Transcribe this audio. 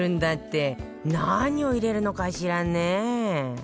何を入れるのかしらね？